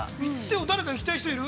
◆誰か行きたい人いる？